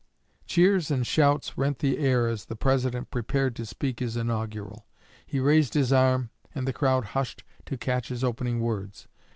Cheers and shouts rent the air as the President prepared to speak his inaugural. He raised his arm, and the crowd hushed to catch his opening words.